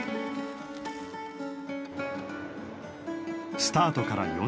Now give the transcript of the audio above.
スタートから４０キロ。